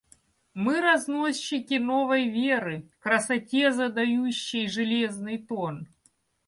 Мы разносчики новой веры, красоте задающей железный тон.